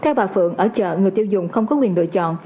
theo bà phượng ở chợ người tiêu dùng không có quyền lựa chọn